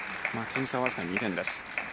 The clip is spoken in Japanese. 点差はわずか２点です。